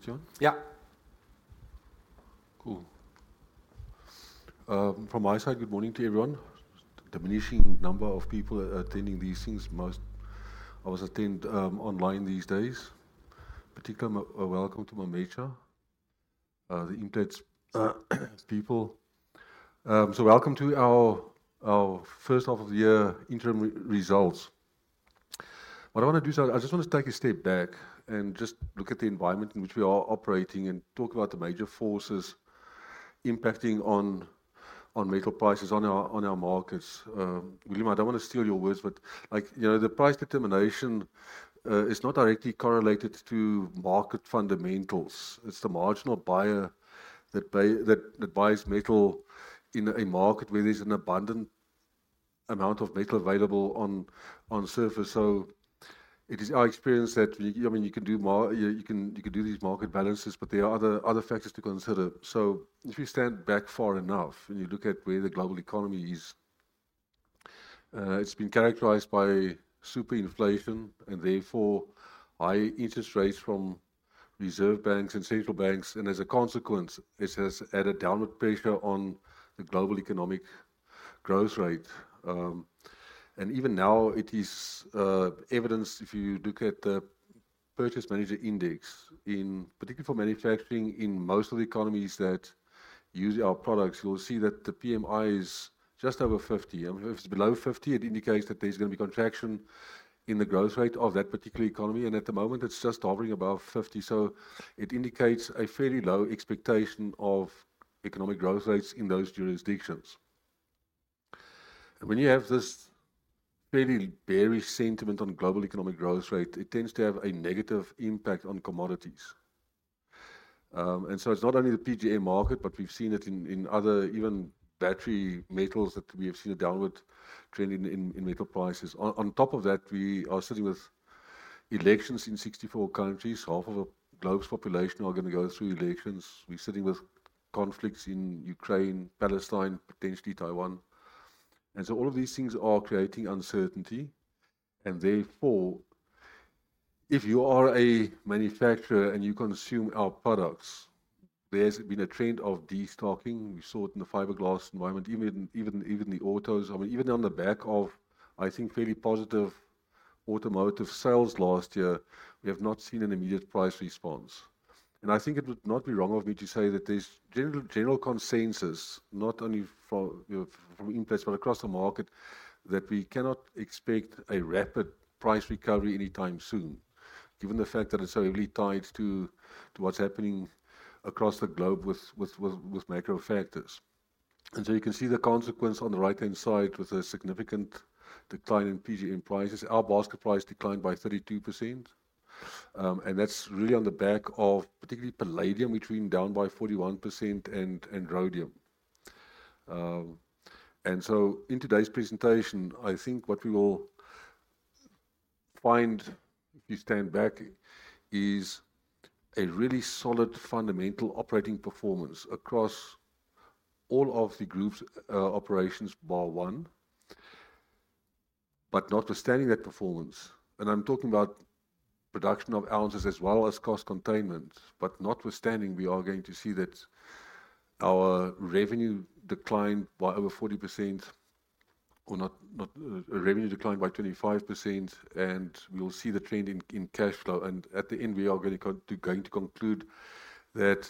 Is that it, John? Yeah. Cool. From my side, good morning to everyone. Diminishing number of people attending these things. Most of us attend online these days. Particular welcome to my major, the Implats people. Welcome to our first half of the year interim results. What I want to do is I just want to take a step back and just look at the environment in which we are operating and talk about the major forces impacting on metal prices, on our markets. Johan, I don't want to steal your words, but the price determination is not directly correlated to market fundamentals. It's the marginal buyer that buys metal in a market where there's an abundant amount of metal available on surface. It is our experience that you can do these market balances, but there are other factors to consider. So if you stand back far enough and you look at where the global economy is, it's been characterized by superinflation and therefore high interest rates from reserve banks and central banks, and as a consequence, it has added downward pressure on the global economic growth rate. Even now it is evidenced if you look at the Purchasing Managers' Index, particularly for manufacturing in most of the economies that use our products, you'll see that the PMI is just over 50. If it's below 50, it indicates that there's going to be contraction in the growth rate of that particular economy, and at the moment it's just hovering above 50. So it indicates a fairly low expectation of economic growth rates in those jurisdictions. And when you have this fairly bearish sentiment on global economic growth rate, it tends to have a negative impact on commodities. So it's not only the PGM market, but we've seen it in other even battery metals that we have seen a downward trend in metal prices. On top of that, we are sitting with elections in 64 countries. Half of the globe's population are going to go through elections. We're sitting with conflicts in Ukraine, Palestine, potentially Taiwan. And so all of these things are creating uncertainty. And therefore, if you are a manufacturer and you consume our products, there's been a trend of destocking. We saw it in the fiberglass environment, even in the autos. I mean, even on the back of, I think, fairly positive automotive sales last year, we have not seen an immediate price response. I think it would not be wrong of me to say that there's general consensus, not only from Implats but across the market, that we cannot expect a rapid price recovery anytime soon, given the fact that it's so heavily tied to what's happening across the globe with macro factors. So you can see the consequence on the right-hand side with a significant decline in PGM prices. Our basket price declined by 32%, and that's really on the back of particularly palladium, which we've been down by 41%, and rhodium. In today's presentation, I think what we will find, if you stand back, is a really solid fundamental operating performance across all of the group's operations, bar one, but notwithstanding that performance, and I'm talking about production of ounces as well as cost containment, but notwithstanding, we are going to see that our revenue declined by over 40%, or revenue declined by 25%, and we will see the trend in cash flow. And at the end, we are going to conclude that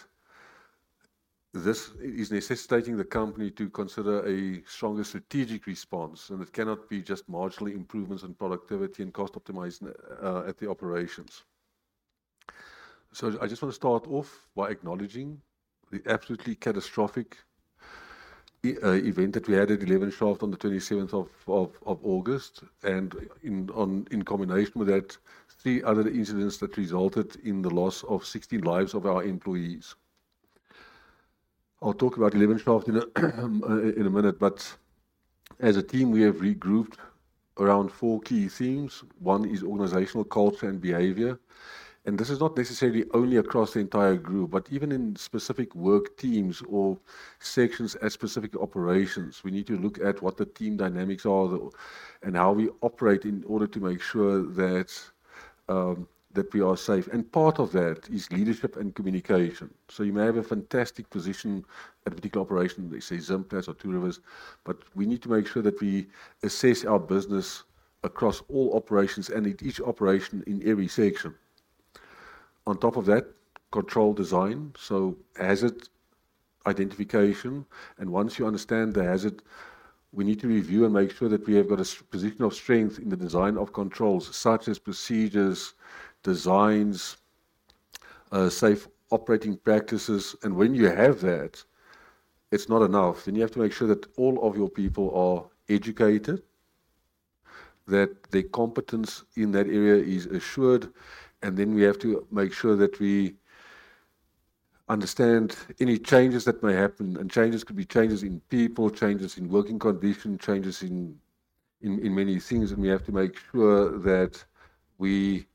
this is necessitating the company to consider a stronger strategic response, and it cannot be just marginal improvements in productivity and cost optimization at the operations. So I just want to start off by acknowledging the absolutely catastrophic event that we had at 11 Shaft on the August 27th, and in combination with that, three other incidents that resulted in the loss of 16 lives of our employees. I'll talk about 11 Shaft in a minute, but as a team, we have regrouped around four key themes. One is organizational culture and behavior. And this is not necessarily only across the entire group, but even in specific work teams or sections as specific operations, we need to look at what the team dynamics are and how we operate in order to make sure that we are safe. And part of that is leadership and communication. So you may have a fantastic position at a particular operation, say Zimplats or Two Rivers, but we need to make sure that we assess our business across all operations and each operation in every section. On top of that, control design, so hazard identification. And once you understand the hazard, we need to review and make sure that we have got a position of strength in the design of controls, such as procedures, designs, safe operating practices. And when you have that, it's not enough. Then you have to make sure that all of your people are educated, that their competence in that area is assured, and then we have to make sure that we understand any changes that may happen. Changes could be changes in people, changes in working conditions, changes in many things, and we have to make sure that we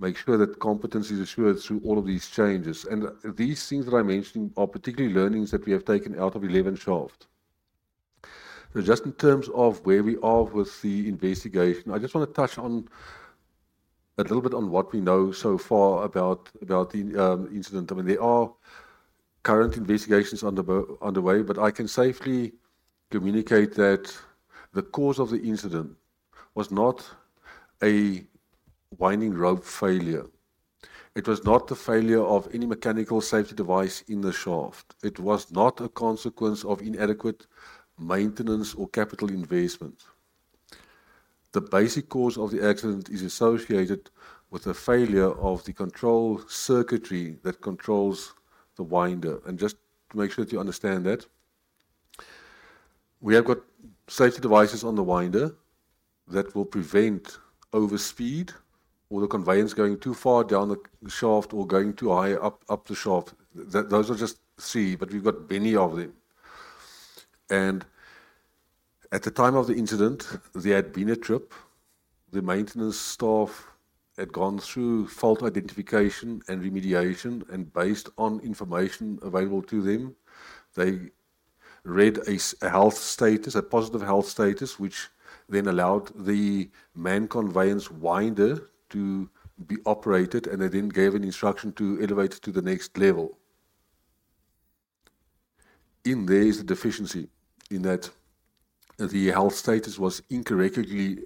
make sure that competence is assured through all of these changes. These things that I mentioned are particularly learnings that we have taken out of 11 Shaft. Just in terms of where we are with the investigation, I just want to touch a little bit on what we know so far about the incident. I mean, there are current investigations underway, but I can safely communicate that the cause of the incident was not a winding rope failure. It was not the failure of any mechanical safety device in the shaft. It was not a consequence of inadequate maintenance or capital investment. The basic cause of the accident is associated with the failure of the control circuitry that controls the winder. Just to make sure that you understand that, we have got safety devices on the winder that will prevent overspeed or the conveyance going too far down the shaft or going too high up the shaft. Those are just three, but we've got many of them. At the time of the incident, they had been a trip. The maintenance staff had gone through fault identification and remediation, and based on information available to them, they read a positive health status, which then allowed the man-conveyance winder to be operated, and they then gave an instruction to elevate it to the next level. In there is the deficiency in that the health status was incorrectly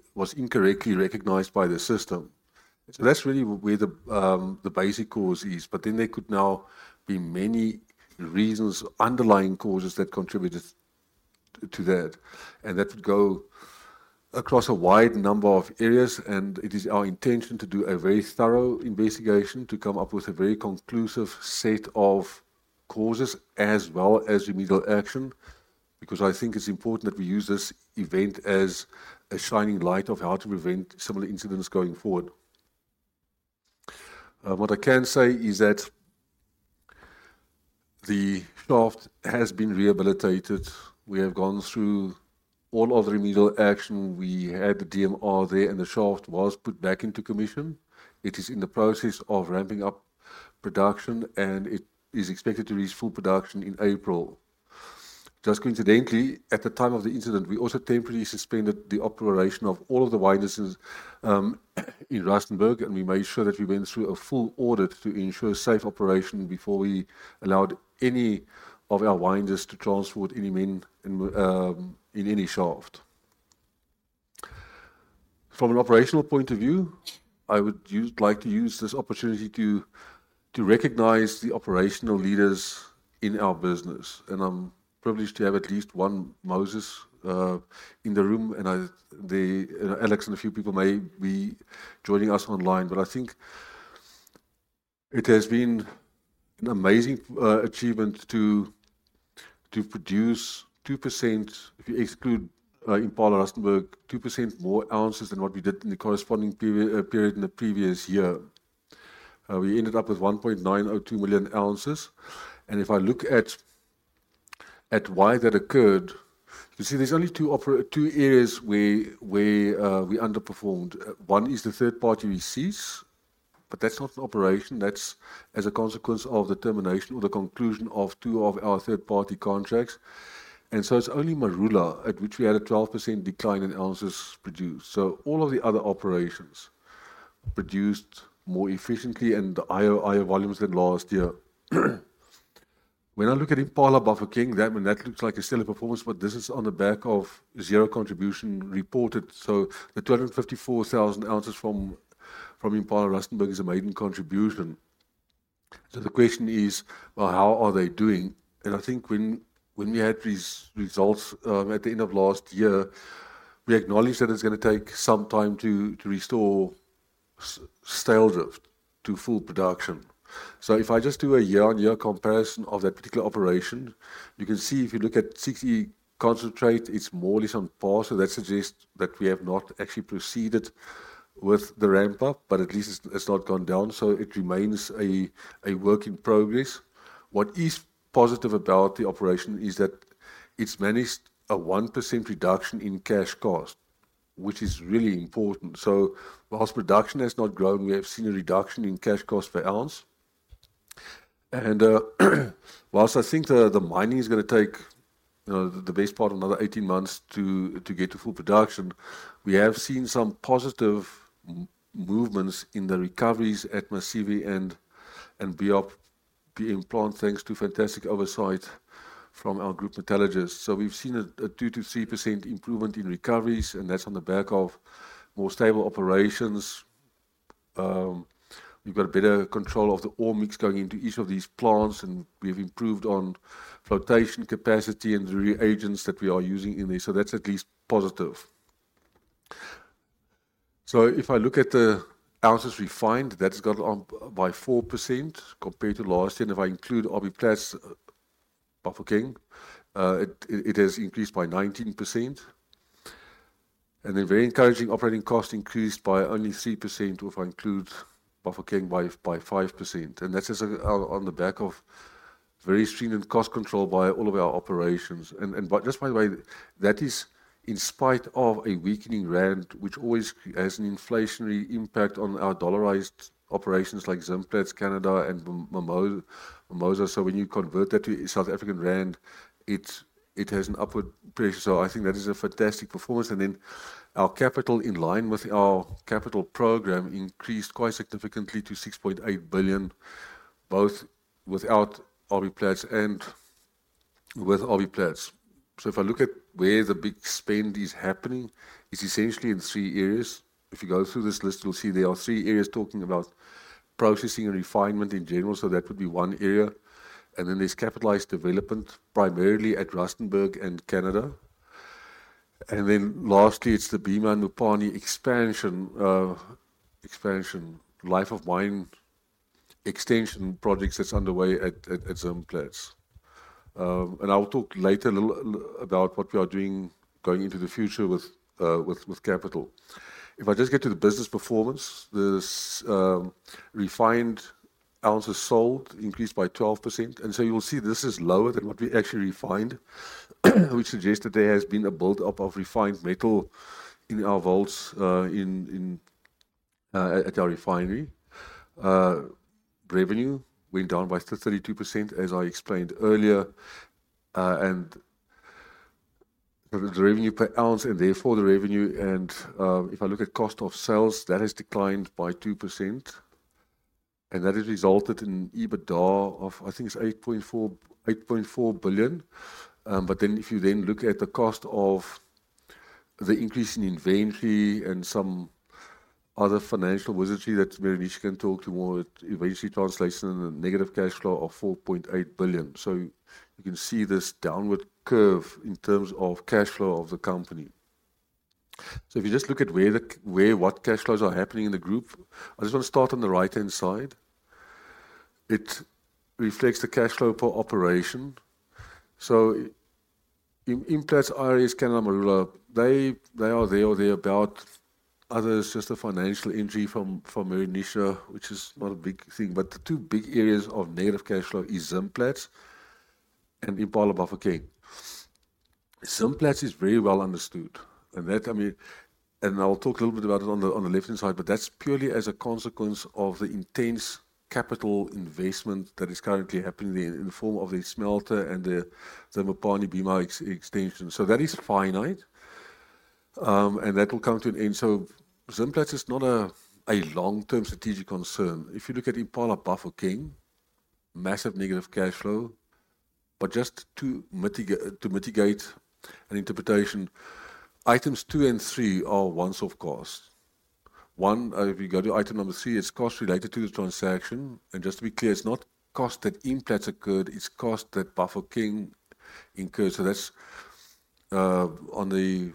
recognized by the system. That's really where the basic cause is, but then there could now be many underlying causes that contributed to that. That would go across a wide number of areas, and it is our intention to do a very thorough investigation to come up with a very conclusive set of causes as well as remedial action, because I think it's important that we use this event as a shining light of how to prevent similar incidents going forward. What I can say is that the shaft has been rehabilitated. We have gone through all of the remedial action. We had the DMR there, and the shaft was put back into commission. It is in the process of ramping up production, and it is expected to reach full production in April. Just coincidentally, at the time of the incident, we also temporarily suspended the operation of all of the winders in Rustenburg, and we made sure that we went through a full audit to ensure safe operation before we allowed any of our winders to transport any men in any shaft. From an operational point of view, I would like to use this opportunity to recognize the operational leaders in our business. And I'm privileged to have at least one Moses in the room, and Alex and a few people may be joining us online, but I think it has been an amazing achievement to produce 2% (if you exclude Impala Rustenburg) 2% more ounces than what we did in the corresponding period in the previous year. We ended up with 1.902 million ounces. And if I look at why that occurred, you see there's only two areas where we underperformed. One is the third-party receipts, but that's not an operation. That's as a consequence of the termination or the conclusion of two of our third-party contracts. So it's only Marula at which we had a 12% decline in ounces produced. So all of the other operations produced more efficiently and the higher volumes than last year. When I look at Impala Bafokeng, that looks like a stellar performance, but this is on the back of zero contribution reported. So the 254,000 lbs from Impala Rustenburg is a maiden contribution. So the question is, well, how are they doing? And I think when we had these results at the end of last year, we acknowledged that it's going to take some time to restore Styldrift to full production. So if I just do a year-on-year comparison of that particular operation, you can see if you look at 6E concentrate, it's more or less on par, so that suggests that we have not actually proceeded with the ramp-up, but at least it's not gone down, so it remains a work in progress. What is positive about the operation is that it's managed a 1% reduction in cash cost, which is really important. So while production has not grown, we have seen a reduction in cash cost per ounce. And while I think the mining is going to take the best part of another 18 months to get to full production, we have seen some positive movements in the recoveries at Mimosa and BMR Impala thanks to fantastic oversight from our group metallurgists. So we've seen a 2%-3% improvement in recoveries, and that's on the back of more stable operations. We've got better control of the ore mix going into each of these plants, and we have improved on flotation capacity and the reagents that we are using in there, so that's at least positive. So if I look at the ounces refined, that has gone up by 4% compared to last year. And if I include RBPlat's Bafokeng, it has increased by 19%. And then very encouraging operating cost increased by only 3% if I include Bafokeng by 5%. And that's on the back of very stringent cost control by all of our operations. And just by the way, that is in spite of a weakening rand, which always has an inflationary impact on our dollarized operations like Zimplats, Canada, and Mimosa. So when you convert that to South African rand, it has an upward pressure. So I think that is a fantastic performance. And then our capital, in line with our capital program, increased quite significantly to 6.8 billion, both without RBPlat and with RBPlat. So if I look at where the big spend is happening, it's essentially in three areas. If you go through this list, you'll see there are three areas talking about processing and refinement in general, so that would be one area. And then there's capitalized development, primarily at Rustenburg and Canada. And then lastly, it's the Bimha Mupani expansion - life of mine extension projects - that's underway at Zimplats. And I'll talk later a little about what we are doing going into the future with capital. If I just get to the business performance, the refined ounces sold increased by 12%. So you'll see this is lower than what we actually refined, which suggests that there has been a build-up of refined metal in our vaults at our refinery. Revenue went down by 32%, as I explained earlier, and the revenue per ounce, and therefore the revenue—and if I look at cost of sales, that has declined by 2%. And that has resulted in EBITDA of, I think, it's 8.4 billion. But then if you then look at the cost of the increase in inventory and some other financial wizardry that Meroonisha can talk to more about, inventory translation and negative cash flow of 4.8 billion. So you can see this downward curve in terms of cash flow of the company. So if you just look at where what cash flows are happening in the group, I just want to start on the right-hand side. It reflects the cash flow per operation. So Implats IRS, Canada, Marula, they are there or thereabout. Other is just a financial entry from Meroonisha, which is not a big thing. But the two big areas of negative cash flow are Zimplats and Impala Bafokeng. Zimplats is very well understood. And I mean, and I'll talk a little bit about it on the left-hand side, but that's purely as a consequence of the intense capital investment that is currently happening there in the form of the smelter and the Zimplats Bimha extension. So that is finite, and that will come to an end. So Zimplats is not a long-term strategic concern. If you look at Impala Bafokeng, massive negative cash flow. But just to mitigate an interpretation, items two and three are ones of cost. One, if you go to item number three, it's cost related to the transaction. And just to be clear, it's not cost that Implats incurred, it's cost that Bafokeng incurred. So that's on the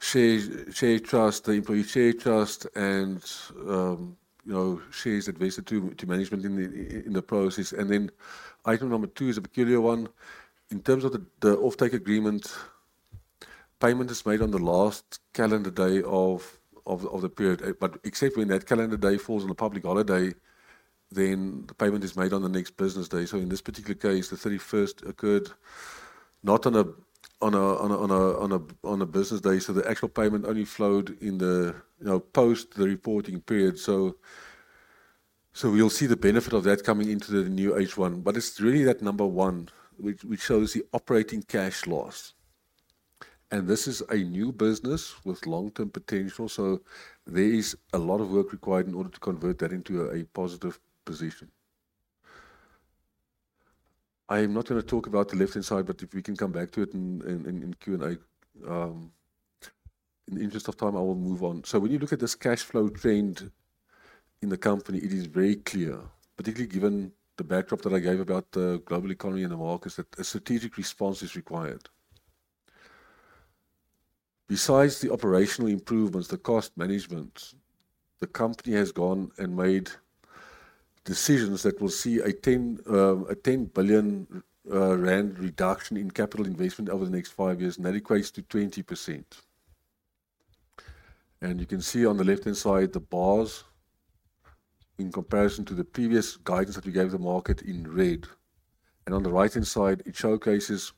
share trust, the employee share trust, and shares that vested to management in the process. And then item number two is a peculiar one. In terms of the offtake agreement, payment is made on the last calendar day of the period. But except when that calendar day falls on a public holiday, then the payment is made on the next business day. So in this particular case, the 31st occurred not on a business day, so the actual payment only flowed post the reporting period. So we'll see the benefit of that coming into the new H1. But it's really that number one, which shows the operating cash loss. This is a new business with long-term potential, so there is a lot of work required in order to convert that into a positive position. I am not going to talk about the left-hand side, but if we can come back to it in Q&A, in the interest of time, I will move on. When you look at this cash flow trend in the company, it is very clear, particularly given the backdrop that I gave about the global economy and the markets, that a strategic response is required. Besides the operational improvements, the cost management, the company has gone and made decisions that will see a 10 billion rand reduction in capital investment over the next five years, and that equates to 20%. You can see on the left-hand side, the bars in comparison to the previous guidance that we gave the market in red. And on the right-hand side, it showcases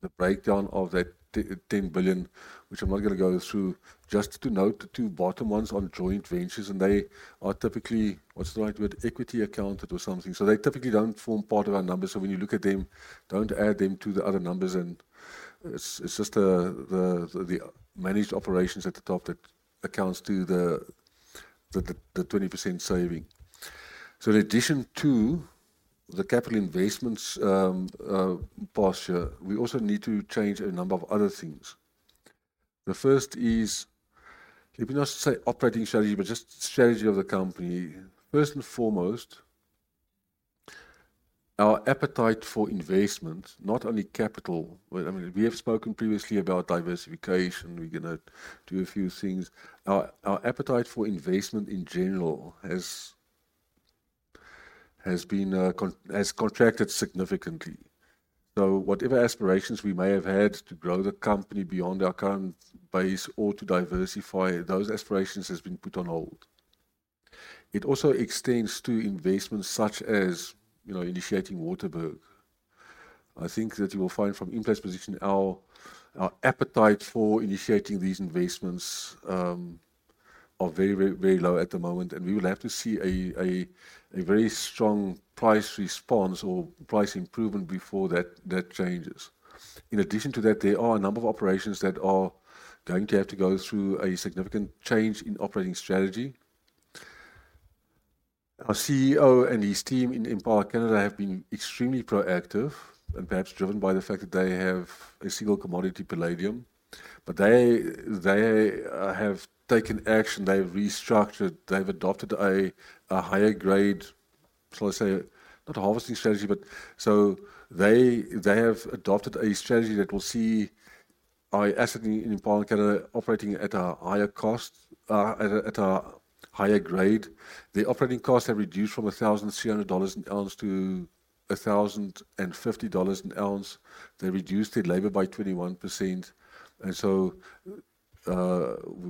the breakdown of that 10 billion, which I'm not going to go through, just to note the two bottom ones on joint ventures, and they are typically - what's the right word? - equity accounted or something. So they typically don't form part of our numbers, so when you look at them, don't add them to the other numbers, and it's just the managed operations at the top that accounts to the 20% saving. So in addition to the capital investments past year, we also need to change a number of other things. The first is, if you not say operating strategy, but just strategy of the company. First and foremost, our appetite for investment, not only capital - I mean, we have spoken previously about diversification, we're going to do a few things - our appetite for investment in general has contracted significantly. So whatever aspirations we may have had to grow the company beyond our current base or to diversify, those aspirations have been put on hold. It also extends to investments such as initiating Waterberg. I think that you will find from Implats' position, our appetite for initiating these investments are very, very low at the moment, and we will have to see a very strong price response or price improvement before that changes. In addition to that, there are a number of operations that are going to have to go through a significant change in operating strategy. Our CEO and his team in Impala Canada have been extremely proactive, and perhaps driven by the fact that they have a single commodity palladium, but they have taken action, they've restructured, they've adopted a higher-grade, shall I say, not a harvesting strategy, but so they have adopted a strategy that will see our assets in Impala Canada operating at a higher cost, at a higher grade. Their operating costs have reduced from $1,300 an lb to $1,050 an lb. They reduced their labour by 21%, and so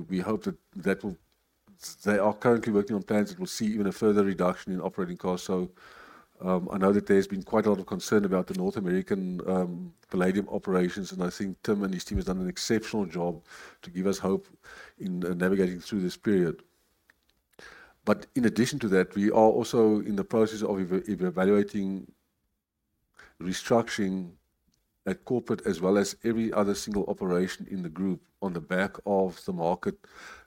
we hope that that will—they are currently working on plans that will see even a further reduction in operating costs. So I know that there's been quite a lot of concern about the North American palladium operations, and I think Tim and his team have done an exceptional job to give us hope in navigating through this period. But in addition to that, we are also in the process of evaluating, restructuring at corporate as well as every other single operation in the group on the back of the market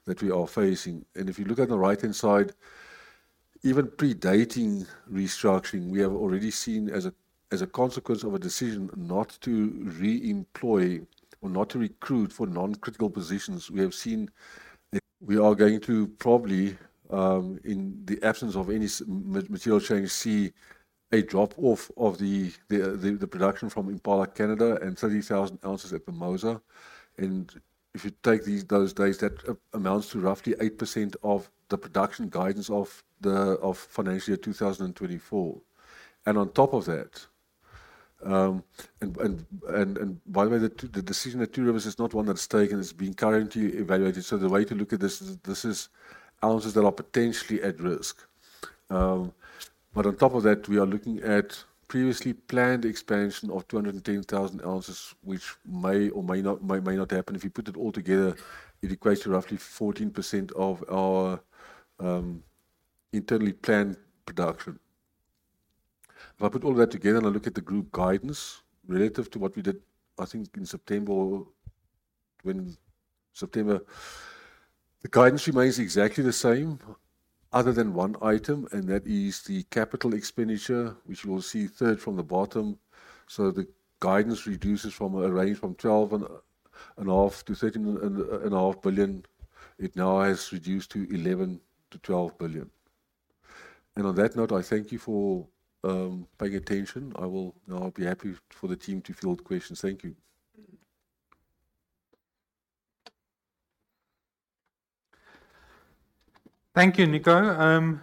that we are facing. And if you look at the right-hand side, even predating restructuring, we have already seen as a consequence of a decision not to re-employ or not to recruit for non-critical positions, we have seen that. We are going to probably, in the absence of any material change, see a drop-off of the production from Impala Canada and 30,000 ounces at Marula. And if you take those days, that amounts to roughly 8% of the production guidance of financial year 2024. On top of that, and by the way, the decision at Two Rivers is not one that's taken, it's being currently evaluated, so the way to look at this is this is ounces that are potentially at risk. But on top of that, we are looking at previously planned expansion of 210,000 lbs, which may or may not happen. If you put it all together, it equates to roughly 14% of our internally planned production. If I put all of that together and I look at the group guidance relative to what we did, I think, in September, when September, the guidance remains exactly the same, other than one item, and that is the capital expenditure, which you will see third from the bottom. So the guidance reduces from a range from 12.5 billion-13.5 billion. It now has reduced to 11 billion-12 billion. On that note, I thank you for paying attention. I will now be happy for the team to field questions. Thank you. Thank you, Nico.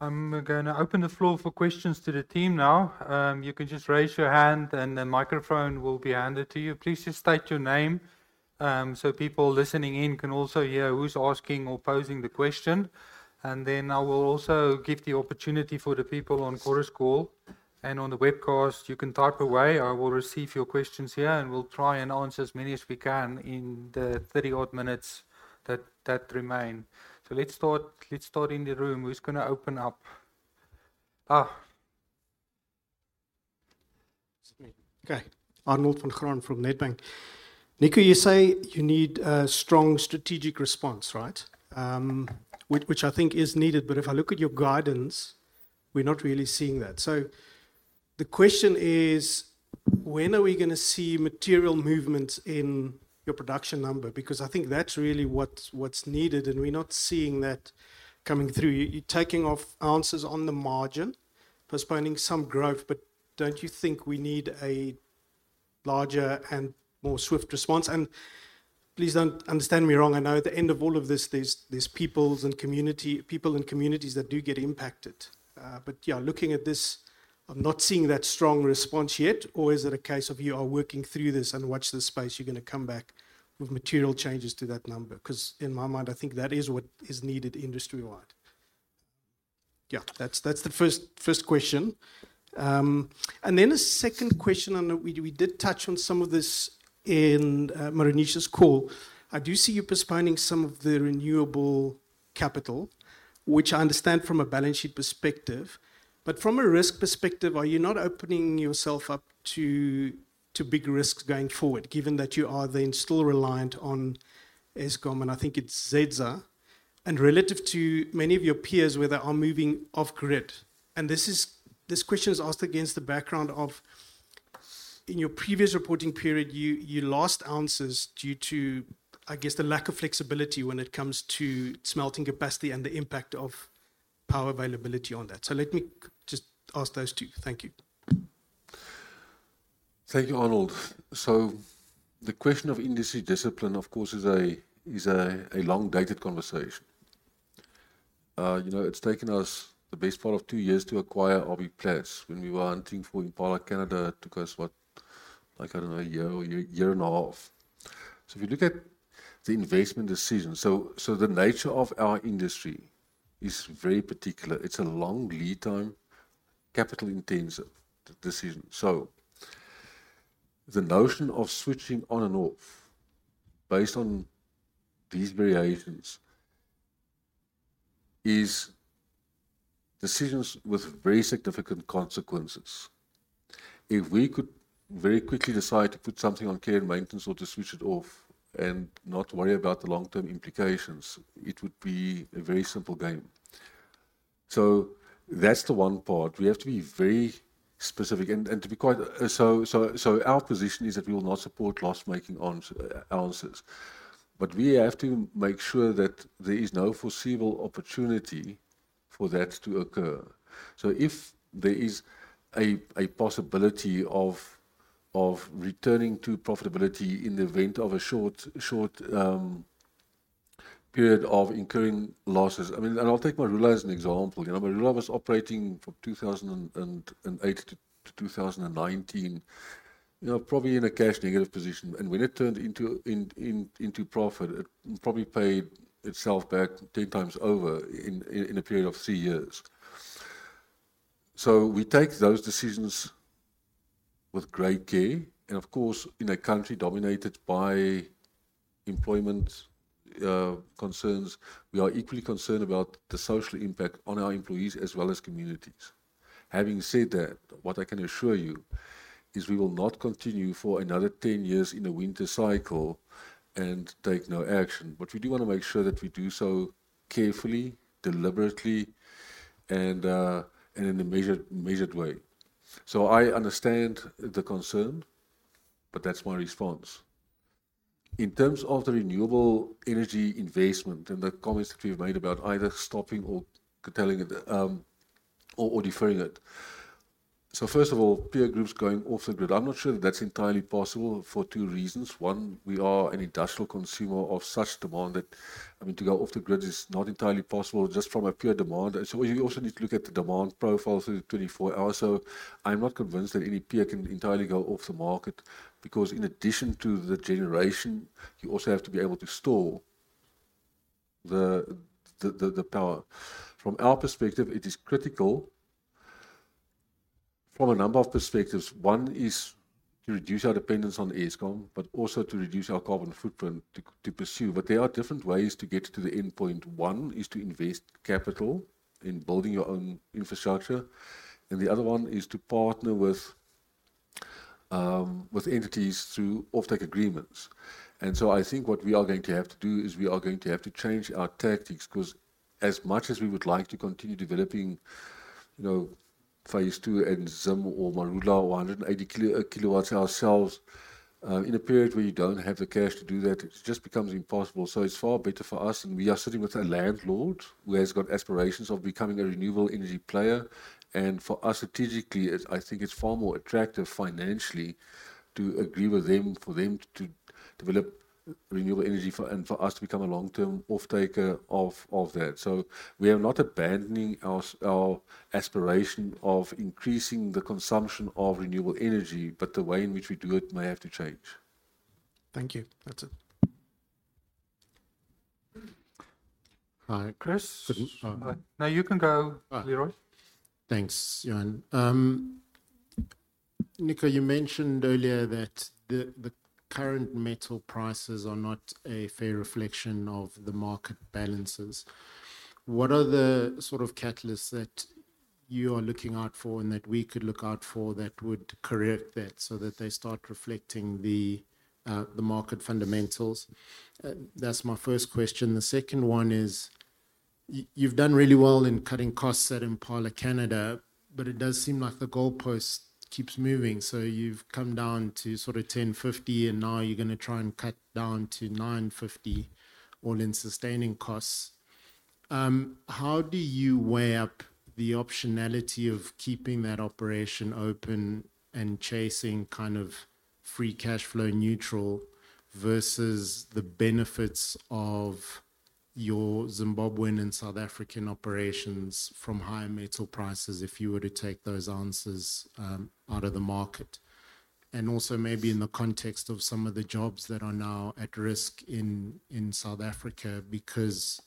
I'm going to open the floor for questions to the team now. You can just raise your hand, and the microphone will be handed to you. Please just state your name so people listening in can also hear who's asking or posing the question. And then I will also give the opportunity for the people on Chorus Call and on the webcast; you can type away. I will receive your questions here, and we'll try and answer as many as we can in the 30-odd minutes that remain. So let's start in the room. Who's going to open up? Okay. Arnold van Graan from Nedbank. Nico, you say you need a strong strategic response, right? Which I think is needed, but if I look at your guidance, we're not really seeing that. So the question is, when are we going to see material movements in your production number? Because I think that's really what's needed, and we're not seeing that coming through. You're taking off answers on the margin, postponing some growth, but don't you think we need a larger and more swift response? And please don't understand me wrong. I know at the end of all of this, there's people and communities that do get impacted. But yeah, looking at this, I'm not seeing that strong response yet. Or is it a case of you are working through this and watch this space? You're going to come back with material changes to that number? Because in my mind, I think that is what is needed industry-wide. Yeah, that's the first question. And then a second question, and we did touch on some of this in Meroonisha's call. I do see you postponing some of the renewable capital, which I understand from a balance sheet perspective. But from a risk perspective, are you not opening yourself up to big risks going forward, given that you are then still reliant on Eskom, and I think it's ZESA? And relative to many of your peers, whether they are moving off-grid. And this question is asked against the background of, in your previous reporting period, you lost ounces due to, I guess, the lack of flexibility when it comes to smelting capacity and the impact of power availability on that. So let me just ask those two. Thank you. Thank you, Arnold. So the question of industry discipline, of course, is a long-dated conversation. It's taken us the best part of two years to acquire RBPlat when we were hunting for Impala Canada to goes what? Like, I don't know, a year or a year and a half. So if you look at the investment decision, so the nature of our industry is very particular. It's a long lead time, capital-intensive decision. So the notion of switching on and off based on these variations is decisions with very significant consequences. If we could very quickly decide to put something on care and maintenance or to switch it off and not worry about the long-term implications, it would be a very simple game. So that's the one part. We have to be very specific. And to be quite, so our position is that we will not support loss-making ounces. But we have to make sure that there is no foreseeable opportunity for that to occur. So if there is a possibility of returning to profitability in the event of a short period of incurring losses—I mean, and I'll take Marula as an example. Marula was operating from 2008 to 2019, probably in a cash negative position. And when it turned into profit, it probably paid itself back 10x over in a period of three years. So we take those decisions with great care. And of course, in a country dominated by employment concerns, we are equally concerned about the social impact on our employees as well as communities. Having said that, what I can assure you is we will not continue for another 10 years in a winter cycle and take no action. But we do want to make sure that we do so carefully, deliberately, and in a measured way. So I understand the concern, but that's my response. In terms of the renewable energy investment and the comments that we've made about either stopping or deferring it, so first of all, peer groups going off the grid, I'm not sure that that's entirely possible for two reasons. One, we are an industrial consumer of such demand that, I mean, to go off the grid is not entirely possible just from a peer demand. So we also need to look at the demand profile through the 24 hours. So I'm not convinced that any peer can entirely go off the market because, in addition to the generation, you also have to be able to store the power. From our perspective, it is critical from a number of perspectives. One is to reduce our dependence on Eskom, but also to reduce our carbon footprint to pursue. There are different ways to get to the end point. One is to invest capital in building your own infrastructure, and the other one is to partner with entities through offtake agreements. So I think what we are going to have to do is we are going to have to change our tactics because, as much as we would like to continue developing phase two and ZIM or Marula or 180 kWh cells in a period where you don't have the cash to do that, it just becomes impossible. It's far better for us, and we are sitting with a landlord who has got aspirations of becoming a renewable energy player. For us, strategically, I think it's far more attractive financially to agree with them for them to develop renewable energy and for us to become a long-term offtaker of that. We are not abandoning our aspiration of increasing the consumption of renewable energy, but the way in which we do it may have to change. Thank you. That's it. Chris? Couldn't. Now you can go, Leroy. Thanks, Johan. Nico, you mentioned earlier that the current metal prices are not a fair reflection of the market balances. What are the sort of catalysts that you are looking out for and that we could look out for that would correct that so that they start reflecting the market fundamentals? That's my first question. The second one is, you've done really well in cutting costs at Impala Canada, but it does seem like the goalpost keeps moving. So you've come down to sort of $10.50, and now you're going to try and cut down to $9.50 or in sustaining costs. How do you weigh up the optionality of keeping that operation open and chasing kind of free cash flow neutral versus the benefits of your Zimbabwean and South African operations from higher metal prices if you were to take those assets out of the market? And also maybe in the context of some of the jobs that are now at risk in South Africa because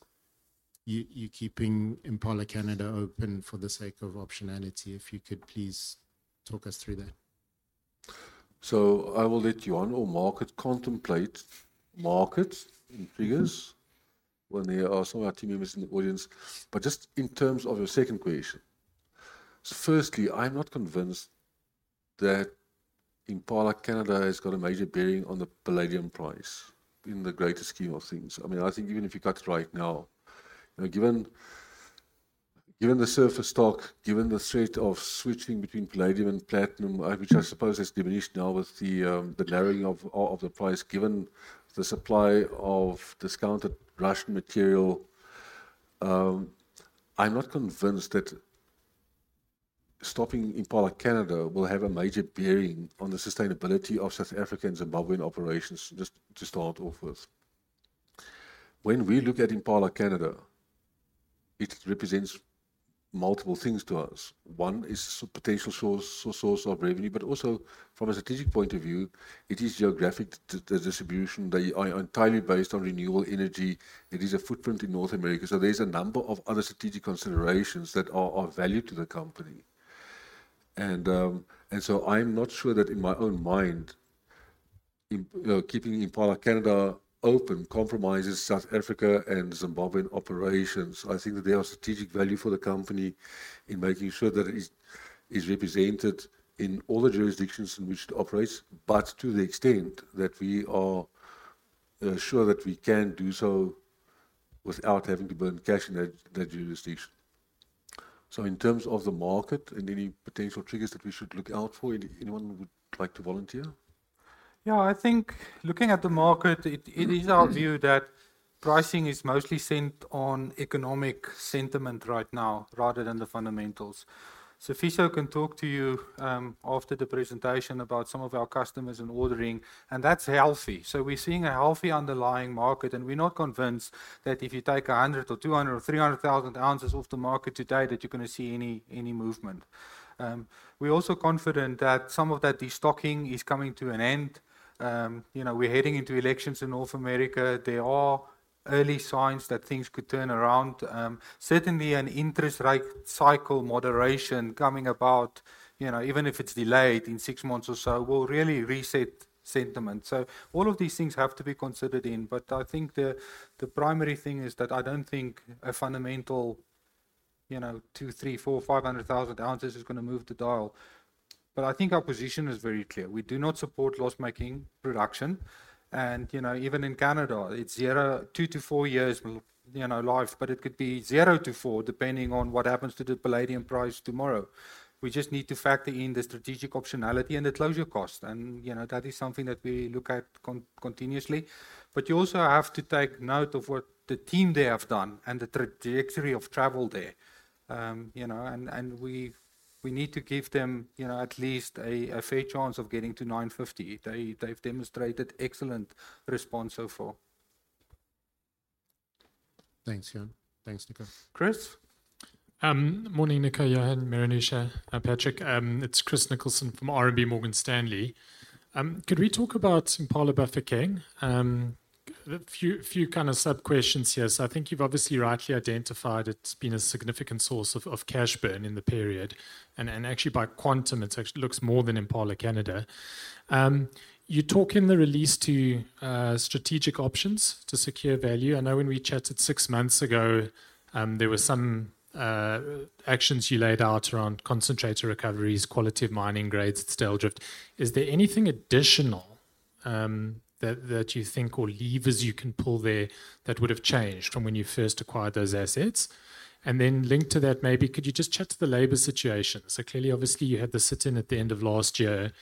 you're keeping Impala Canada open for the sake of optionality. If you could please talk us through that. So I will let Johan or Mark contemplate markets and figures when there are some of our team members in the audience. But just in terms of your second question, so firstly, I'm not convinced that Impala Canada has got a major bearing on the palladium price in the greater scheme of things. I mean, I think even if you cut it right now, given the surface stock, given the threat of switching between palladium and platinum, which I suppose has diminished now with the narrowing of the price, given the supply of discounted Russian material, I'm not convinced that stopping Impala Canada will have a major bearing on the sustainability of South Africa and Zimbabwean operations, just to start off with. When we look at Impala Canada, it represents multiple things to us. One is a potential source of revenue, but also from a strategic point of view, it is geographic distribution. It's entirely based on renewable energy. It is a footprint in North America. So there's a number of other strategic considerations that are of value to the company. And so I'm not sure that, in my own mind, keeping Impala Canada open compromises South Africa and Zimbabwean operations. I think that there are strategic values for the company in making sure that it is represented in all the jurisdictions in which it operates, but to the extent that we are sure that we can do so without having to burn cash in that jurisdiction. So in terms of the market and any potential triggers that we should look out for, anyone would like to volunteer? Yeah, I think looking at the market, it is our view that pricing is mostly set on economic sentiment right now rather than the fundamentals. So Sifiso can talk to you after the presentation about some of our customers and ordering, and that's healthy. So we're seeing a healthy underlying market, and we're not convinced that if you take 100 or 200 or 300,000 lbs off the market today, that you're going to see any movement. We're also confident that some of that destocking is coming to an end. We're heading into elections in North America. There are early signs that things could turn around. Certainly, an interest rate cycle moderation coming about, even if it's delayed in six months or so, will really reset sentiment. So all of these things have to be considered in, but I think the primary thing is that I don't think a fundamental 2, 3, 4, 500,000 lbs is going to move the dial. But I think our position is very clear. We do not support loss-making production. And even in Canada, it's two to four years lived, but it could be zero to four depending on what happens to the palladium price tomorrow. We just need to factor in the strategic optionality and the closure cost. And that is something that we look at continuously. But you also have to take note of what the team there have done and the trajectory of travel there. And we need to give them at least a fair chance of getting to $9.50. They've demonstrated excellent response so far. Thanks, Johan. Thanks, Nico. Chris? Morning, Nico, Johan, Meroonisha, Patrick. It's Chris Nicholson from RMB Morgan Stanley. Could we talk about Impala Bafokeng? A few kind of sub-questions here. So I think you've obviously rightly identified it's been a significant source of cash burn in the period. And actually, by quantum, it looks more than Impala Canada. You talk in the release to strategic options to secure value. I know when we chatted six months ago, there were some actions you laid out around concentrator recoveries, quality of mining grades, it's Styldrift. Is there anything additional that you think or levers you can pull there that would have changed from when you first acquired those assets? And then linked to that maybe, could you just chat to the labor situation? So clearly, obviously, you had the sit-in at the end of last year.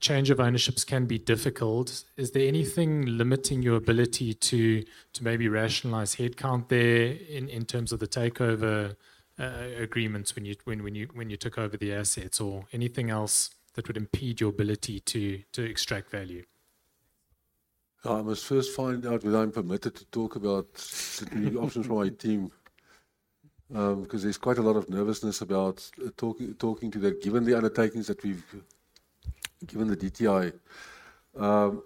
Change of ownerships can be difficult. Is there anything limiting your ability to maybe rationalise headcount there in terms of the takeover agreements when you took over the assets or anything else that would impede your ability to extract value? I must first find out whether I'm permitted to talk about the new options from my team because there's quite a lot of nervousness about talking to that, given the undertakings that we've given the DTI.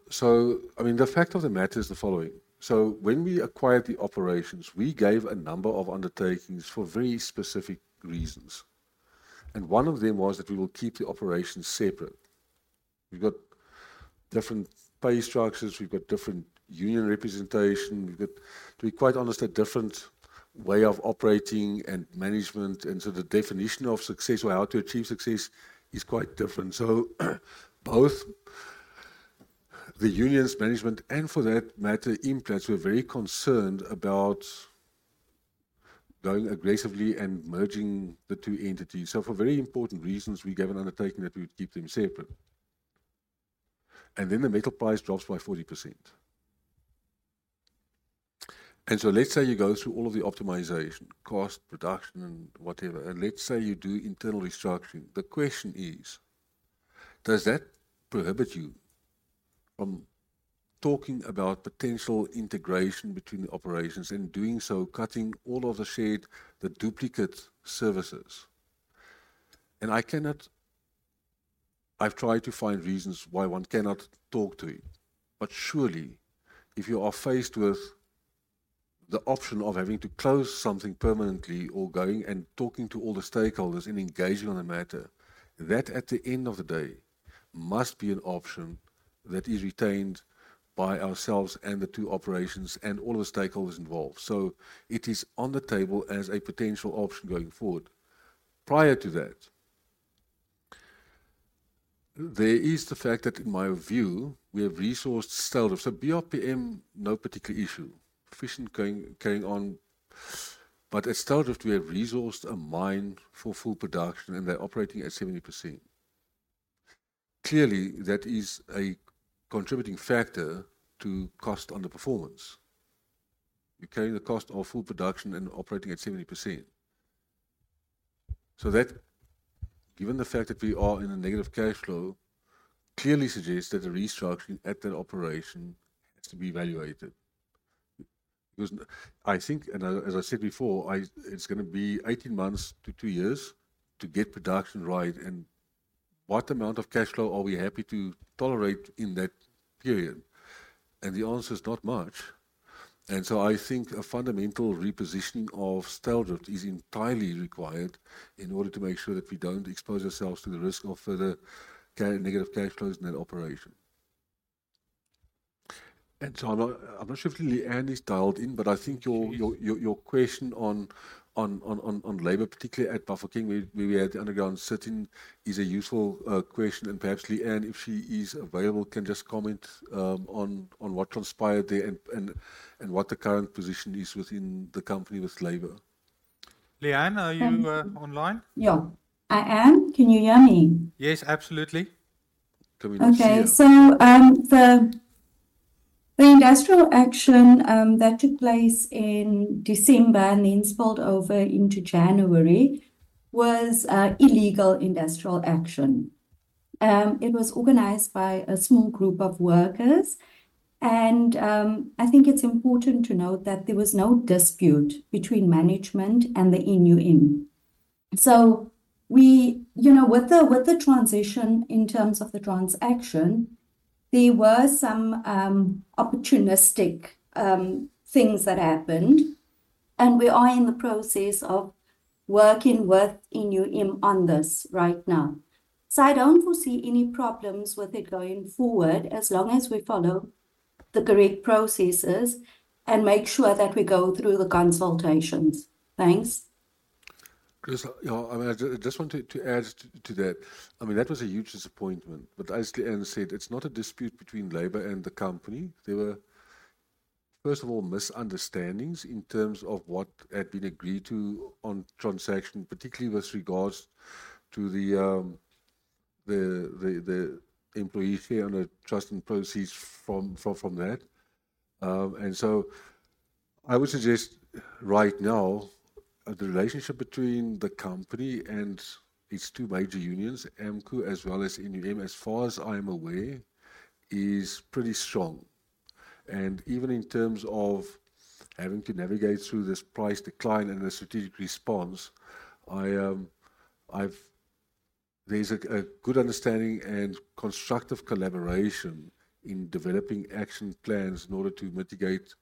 So I mean, the fact of the matter is the following. So when we acquired the operations, we gave a number of undertakings for very specific reasons. And one of them was that we will keep the operations separate. We've got different pay structures. We've got different union representation. We've got, to be quite honest, a different way of operating and management. And so the definition of success or how to achieve success is quite different. So both the unions, management, and for that matter, Implats, we're very concerned about going aggressively and merging the two entities. So for very important reasons, we gave an undertaking that we would keep them separate. Then the metal price drops by 40%. So let's say you go through all of the optimization, cost, production, and whatever. And let's say you do internal restructuring. The question is, does that prohibit you from talking about potential integration between the operations and doing so, cutting all of the shared, the duplicate services? And I've tried to find reasons why one cannot talk to it. But surely, if you are faced with the option of having to close something permanently or going and talking to all the stakeholders and engaging on the matter, that at the end of the day, must be an option that is retained by ourselves and the two operations and all of the stakeholders involved. So it is on the table as a potential option going forward. Prior to that, there is the fact that, in my view, we have resourced tail drift. So BRPM, no particular issue. Efficiently carrying on. But at Styldrift, we have resourced a mine for full production, and they're operating at 70%. Clearly, that is a contributing factor to cost under performance. You're carrying the cost of full production and operating at 70%. So that, given the fact that we are in a negative cash flow, clearly suggests that the restructuring at that operation has to be evaluated. Because I think, as I said before, it's going to be 18 months to two years to get production right. And what amount of cash flow are we happy to tolerate in that period? And the answer is not much. And so I think a fundamental repositioning of Styldrift is entirely required in order to make sure that we don't expose ourselves to the risk of further negative cash flows in that operation. So I'm not sure if Lee-Ann is dialed in, but I think your question on labor, particularly at Bafokeng, where we had the underground sitting, is a useful question. Perhaps Lee-Ann, if she is available, can just comment on what transpired there and what the current position is within the company with labor. Lee-Ann, are you online? Yeah. I am. Can you hear me? Yes, absolutely. Coming up here. Okay. So the industrial action that took place in December and then spilled over into January was illegal industrial action. It was organized by a small group of workers. I think it's important to note that there was no dispute between management and the NUM. So with the transition in terms of the transaction, there were some opportunistic things that happened. We are in the process of working with NUM on this right now. So I don't foresee any problems with it going forward as long as we follow the correct processes and make sure that we go through the consultations. Thanks. Chris, I mean, I just want to add to that. I mean, that was a huge disappointment. But as Lee-Ann said, it's not a dispute between labor and the company. There were, first of all, misunderstandings in terms of what had been agreed to on transaction, particularly with regards to the employees here on the trust and proceeds from that. And so I would suggest right now, the relationship between the company and its two major unions, AMCU as well as NUM, as far as I am aware, is pretty strong. And even in terms of having to navigate through this price decline and the strategic response, there's a good understanding and constructive collaboration in developing action plans in order to mitigate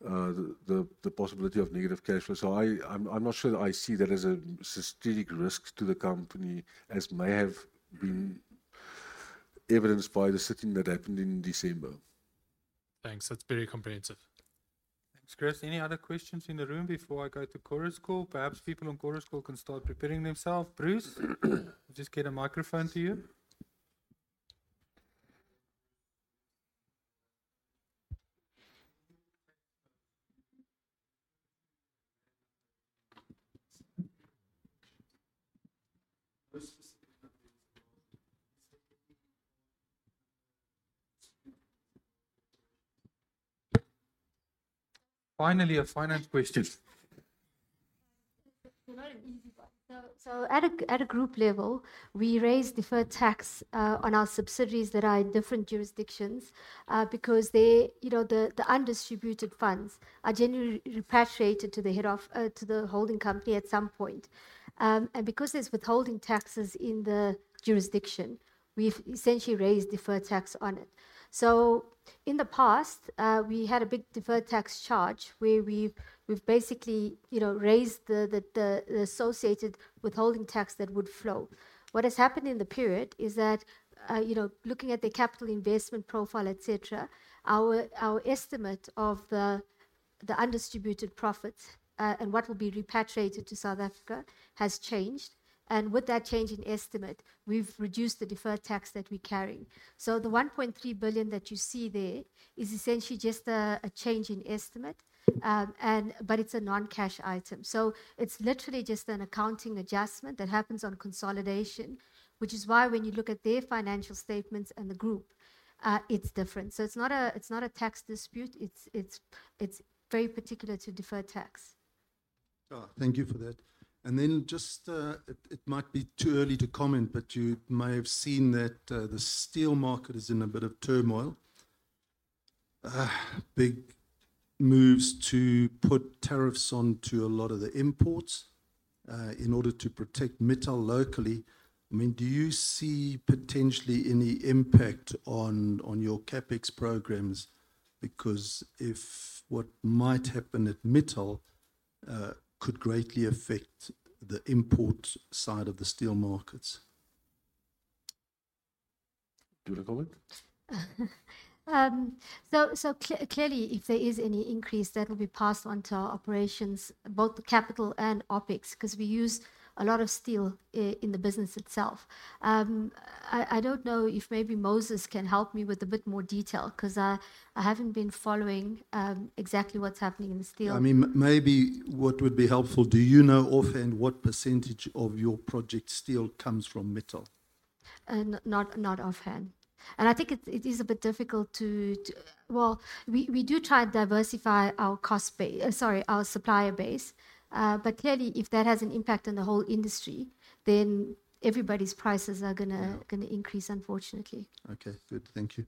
the possibility of negative cash flow. I'm not sure that I see that as a strategic risk to the company, as may have been evidenced by the sitting that happened in December. Thanks. That's very comprehensive. Thanks, Chris. Any other questions in the room before I go to chorus call? Perhaps people on chorus call can start preparing themselves. Bruce, just get a microphone to you. Finally, a finance question. So not an easy one. So at a group level, we raise deferred tax on our subsidiaries that are in different jurisdictions because the undistributed funds are generally repatriated to the holding company at some point. And because there's withholding taxes in the jurisdiction, we've essentially raised deferred tax on it. So in the past, we had a big deferred tax charge where we've basically raised the associated withholding tax that would flow. What has happened in the period is that, looking at the capital investment profile, etc., our estimate of the undistributed profits and what will be repatriated to South Africa has changed. And with that change in estimate, we've reduced the deferred tax that we're carrying. So the 1.3 billion that you see there is essentially just a change in estimate, but it's a non-cash item. It's literally just an accounting adjustment that happens on consolidation, which is why when you look at their financial statements and the group, it's different. It's not a tax dispute. It's very particular to deferred tax. Thank you for that. And then just it might be too early to comment, but you may have seen that the steel market is in a bit of turmoil. Big moves to put tariffs onto a lot of the imports in order to protect metal locally. I mean, do you see potentially any impact on your CapEx programs because what might happen at metal could greatly affect the import side of the steel markets? Do you want to comment? So clearly, if there is any increase, that will be passed on to our operations, both capex and opex, because we use a lot of steel in the business itself. I don't know if maybe Moses can help me with a bit more detail because I haven't been following exactly what's happening in the steel. I mean, maybe what would be helpful, do you know offhand what percentage of your project steel comes from metal? Not offhand. And I think it is a bit difficult to, well, we do try and diversify our cost base, sorry, our supplier base. But clearly, if that has an impact on the whole industry, then everybody's prices are going to increase, unfortunately. Okay. Good. Thank you.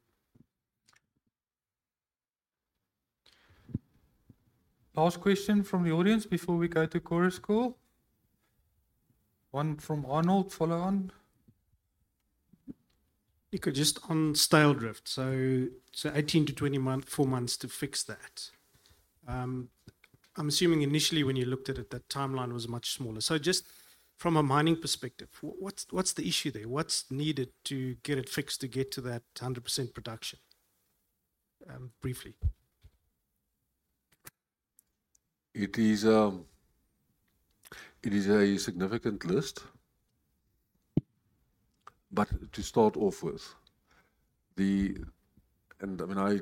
Last question from the audience before we go to chorus call. One from Arnold, follow on. Nico, just on tail drift. So 18 to 24 months to fix that. I'm assuming initially, when you looked at it, that timeline was much smaller. So just from a mining perspective, what's the issue there? What's needed to get it fixed to get to that 100% production? Briefly. It is a significant list. But to start off with, I mean, I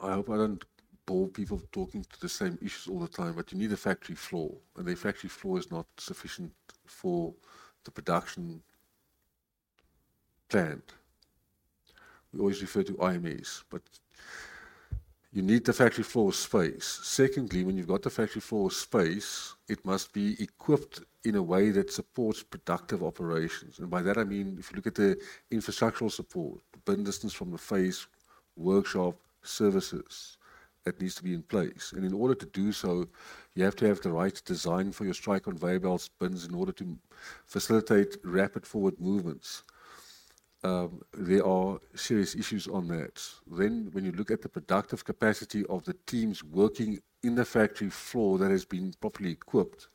hope I don't bore people talking to the same issues all the time. But you need a factory floor. And the factory floor is not sufficient for the production plant. We always refer to TMMs, but you need the factory floor space. Secondly, when you've got the factory floor space, it must be equipped in a way that supports productive operations. And by that, I mean, if you look at the infrastructural support, the bin distance from the phase, workshop, services, that needs to be in place. And in order to do so, you have to have the right design for your strike conveyors, belts, bins in order to facilitate rapid-forward movements. There are serious issues on that. Then when you look at the productive capacity of the teams working in the factory floor that has been properly equipped,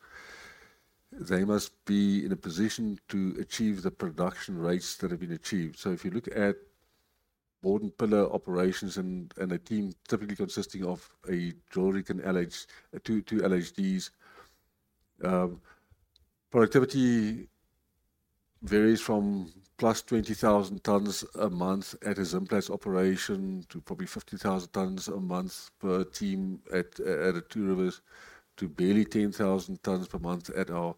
they must be in a position to achieve the production rates that have been achieved. So if you look at bord and pillar operations and a team typically consisting of two LHDs, productivity varies from +20,000 tons a month at his Implats operation to probably 50,000 tons a month per team at the Two Rivers to barely 10,000 tons per month at our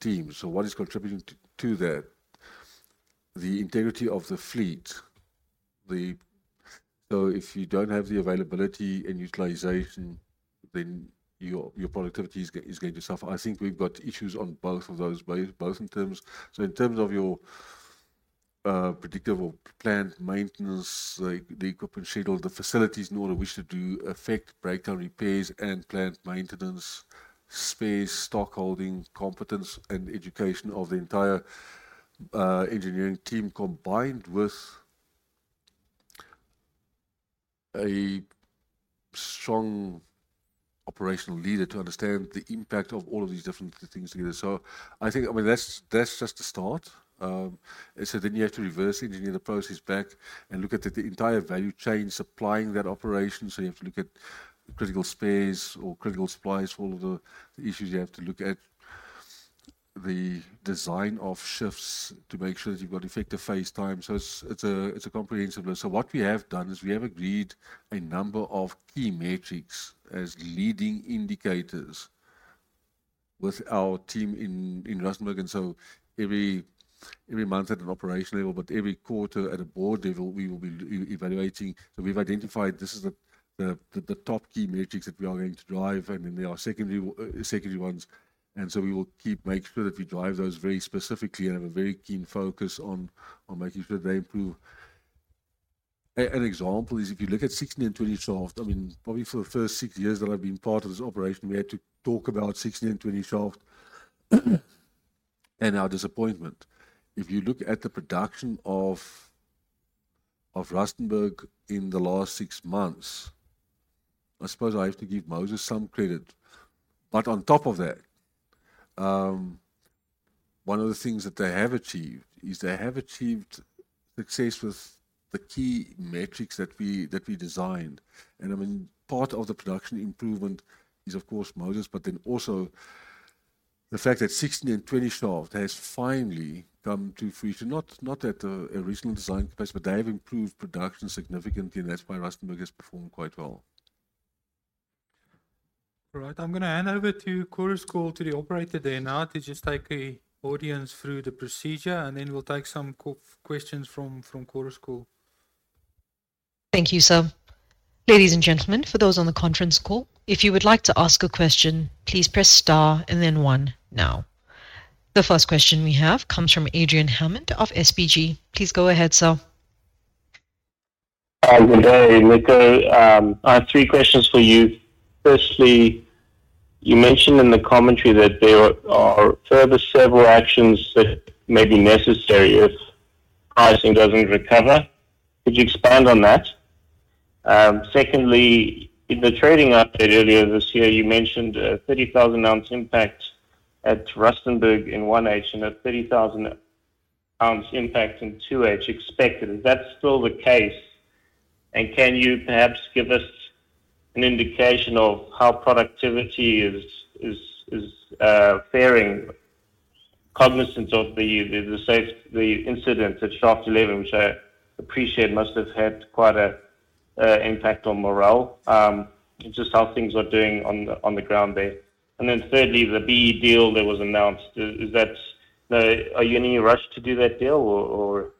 team. So what is contributing to that? The integrity of the fleet. So if you don't have the availability and utilization, then your productivity is going to suffer. I think we've got issues on both of those, both in terms so in terms of your predictable plant maintenance, the equipment schedule, the facilities in order to do effective breakdown repairs, and plant maintenance, space, stockholding, competence, and education of the entire engineering team combined with a strong operational leader to understand the impact of all of these different things together. So I think, I mean, that's just the start. So then you have to reverse engineer the process back and look at the entire value chain supplying that operation. So you have to look at critical spares or critical supplies, all of the issues you have to look at, the design of shifts to make sure that you've got effective face time. So it's a comprehensive list. So what we have done is we have agreed a number of key metrics as leading indicators with our team in Rustenburg. So every month at an operation level, but every quarter at a board level, we will be evaluating. So we've identified this is the top key metrics that we are going to drive, and then there are secondary ones. And so we will keep make sure that we drive those very specifically and have a very keen focus on making sure that they improve. An example is if you look at 16 and 20 shaft, I mean, probably for the first six years that I've been part of this operation, we had to talk about 16 and 20 shaft and our disappointment. If you look at the production of Rustenburg in the last six months, I suppose I have to give Moses some credit. But on top of that, one of the things that they have achieved is they have achieved success with the key metrics that we designed. And I mean, part of the production improvement is, of course, Moses, but then also the fact that 16 and 20 Shaft has finally come to fruition. Not that original design capacity, but they have improved production significantly, and that's why Rustenburg has performed quite well. All right. I'm going to hand over to Chorus Call to the operator there now to just take the audience through the procedure, and then we'll take some questions from Chorus Call. Thank you, sir. Ladies and gentlemen, for those on the conference call, if you would like to ask a question, please press star and then one now. The first question we have comes from Adrian Hammond of SBG. Please go ahead, sir. Hi, good day, Nico. I have three questions for you. Firstly, you mentioned in the commentary that there are further several actions that may be necessary if pricing doesn't recover. Could you expand on that? Secondly, in the trading update earlier this year, you mentioned a 30,000-ounce impact at Rustenburg in 1H and a 30,000-ounce impact in 2H expected. Is that still the case? And can you perhaps give us an indication of how productivity is faring, cognizant of the incident at shaft 11, which I appreciate must have had quite an impact on morale, just how things are doing on the ground there? And then thirdly, the BEE deal that was announced, is that are you in any rush to do that deal, or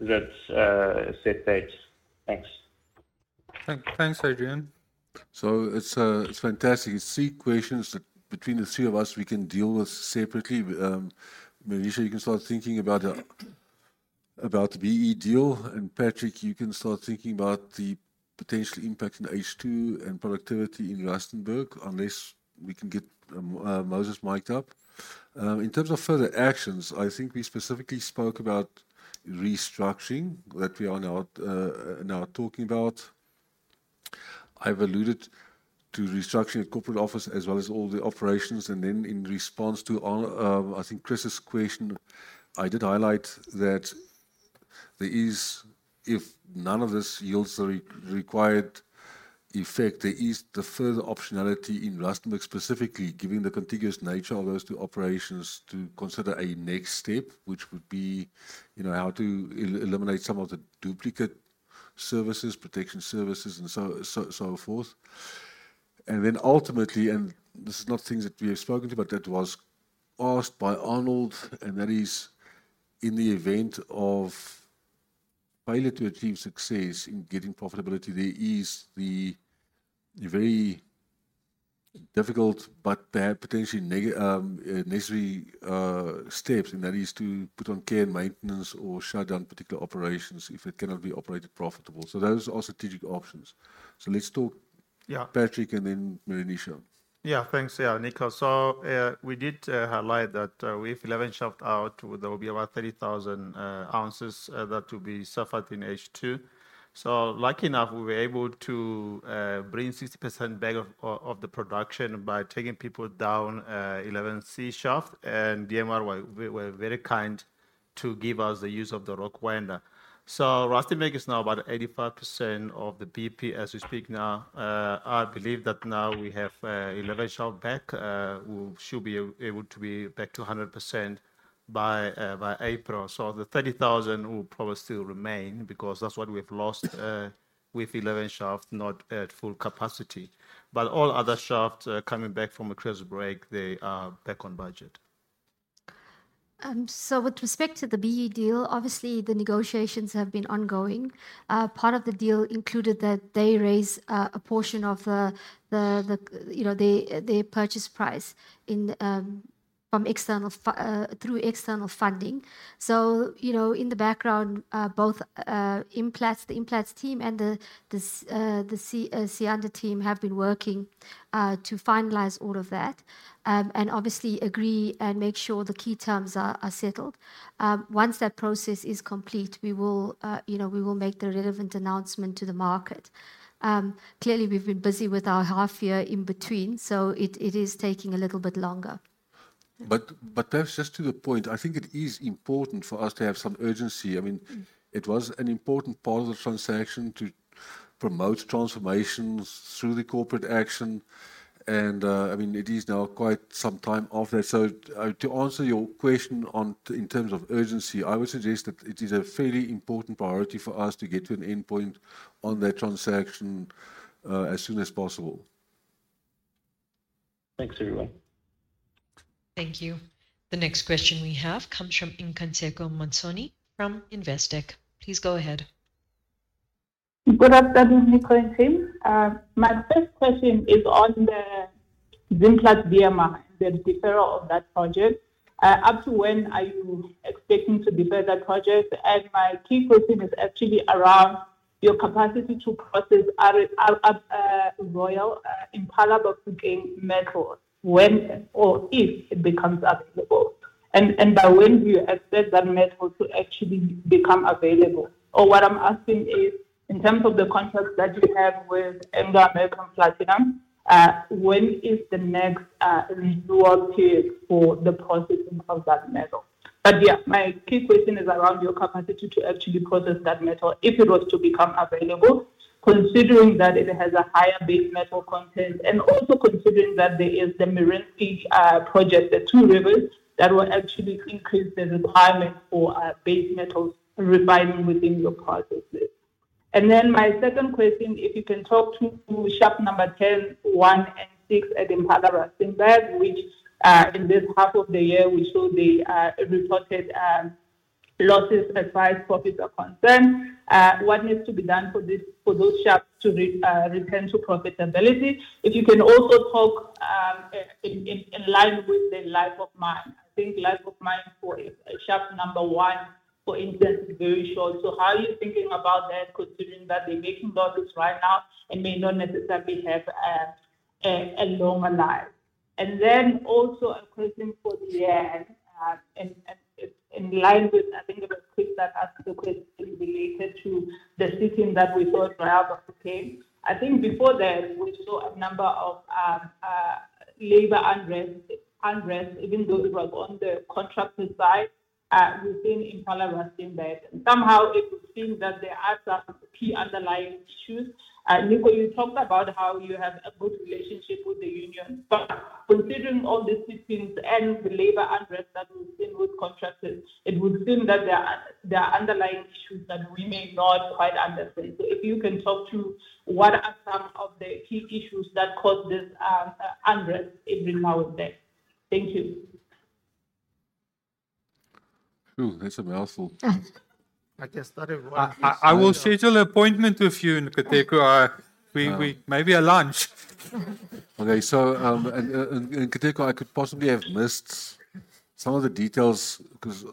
is that a set date? Thanks. Thanks, Adrian. So it's fantastic. It's three questions that between the three of us, we can deal with separately. Melissa, you can start thinking about the BEE deal. And Patrick, you can start thinking about the potential impact in H2 and productivity in Rustenburg unless we can get Moses mic'd up. In terms of further actions, I think we specifically spoke about restructuring that we are now talking about. I've alluded to restructuring the corporate office as well as all the operations. And then in response to, I think, Chris's question, I did highlight that if none of this yields the required effect, there is the further optionality in Rustenburg specifically, given the contiguous nature of those two operations, to consider a next step, which would be how to eliminate some of the duplicate services, protection services, and so forth. And then ultimately, and this is not things that we have spoken to, but that was asked by Arnold, and that is in the event of failure to achieve success in getting profitability, there is the very difficult but potentially necessary steps, and that is to put on care and maintenance or shut down particular operations if it cannot be operated profitable. So those are strategic options. So let's talk, Patrick, and then Meroonisha. Yeah. Thanks. Yeah, Nico. So we did highlight that with 11 shaft out, there will be about 30,000 ounces that will be suffered in H2. So lucky enough, we were able to bring 60% back of the production by taking people down 11C shaft. And DMR were very kind to give us the use of the rock winder. So Rustenburg is now about 85% of the BP as we speak now. I believe that now we have 11 shaft back. We should be able to be back to 100% by April. So the 30,000 will probably still remain because that's what we've lost with 11 shaft, not at full capacity. But all other shafts coming back from a crisis break, they are back on budget. So with respect to the BEE deal, obviously, the negotiations have been ongoing. Part of the deal included that they raise a portion of their purchase price through external funding. So in the background, both the Implats team and the Siyanda team have been working to finalize all of that and obviously agree and make sure the key terms are settled. Once that process is complete, we will make the relevant announcement to the market. Clearly, we've been busy with our half-year in between, so it is taking a little bit longer. But perhaps just to the point, I think it is important for us to have some urgency. I mean, it was an important part of the transaction to promote transformations through the corporate action. And I mean, it is now quite some time off that. So to answer your question in terms of urgency, I would suggest that it is a fairly important priority for us to get to an endpoint on that transaction as soon as possible. Thanks, everyone. Thank you. The next question we have comes from Nkateko Mathonsi from Investec. Please go ahead. Good afternoon, Nico, and team. My first question is on the Zimplats BMR and the deferral of that project. Up to when are you expecting to defer that project? And my key question is actually around your capacity to process Impala Bafokeng metal when or if it becomes available. And by when do you expect that metal to actually become available? Or what I'm asking is, in terms of the contracts that you have with Anglo American Platinum, when is the next renewal period for the processing of that metal? But yeah, my key question is around your capacity to actually process that metal if it was to become available, considering that it has a higher base metal content and also considering that there is the Mimosa project, the Two Rivers, that will actually increase the requirement for base metals refining within your processes. And then my second question, if you can talk to shaft number 10, 1, and 6 at Impala Rustenburg, which in this half of the year, we saw they reported losses as far as profits are concerned, what needs to be done for those shafts to return to profitability? If you can also talk in line with the life of mine. I think life of mine for shaft number 1, for instance, is very short. So how are you thinking about that considering that they're making losses right now and may not necessarily have a longer life? And then also a question for the end, and in line with, I think, it was Chris that asked the question related to the setting that we saw at Royal Bafokeng. I think before that, we saw a number of labor unrest, even though it was on the contractor side within Impala Rustenburg. Somehow, it would seem that there are some key underlying issues. Nico, you talked about how you have a good relationship with the union. But considering all the settings and the labor unrest that we've seen with contractors, it would seem that there are underlying issues that we may not quite understand. So if you can talk to what are some of the key issues that cause this unrest every now and then? Thank you. Ooh, that's a mouthful. I can start if you want. I will schedule an appointment with you, Nkateko. Maybe a lunch. Okay. So Nkateko, I could possibly have missed some of the details because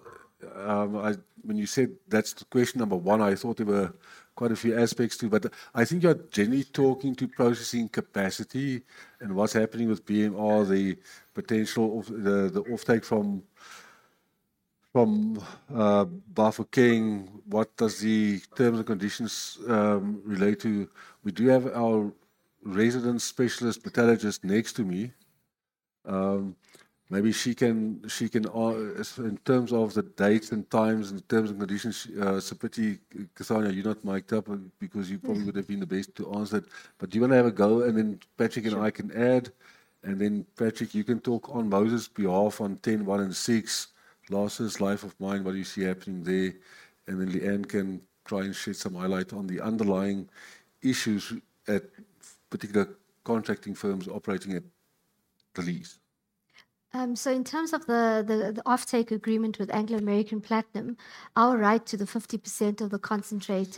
when you said that's question number one, I thought there were quite a few aspects too. But I think you're generally talking to processing capacity and what's happening with BMR, the potential of the offtake from Bafokeng. What does the terms and conditions relate to? We do have our resident specialist metallurgist next to me. Maybe she can, in terms of the dates and times and the terms and conditions. Sifiso Sibiya, you're not mic'd up because you probably would have been the best to answer it. But do you want to have a go? And then Patrick and I can add. And then Patrick, you can talk on Moses' behalf on 10, one, and six, losses, life of mine, what do you see happening there? And then Lee-Ann can try and shed some light on the underlying issues at particular contracting firms operating at the lease. So in terms of the offtake agreement with Anglo American Platinum, our right to the 50% of the concentrate,